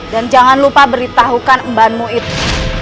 dan jangan lupa beritahukan embahmu itu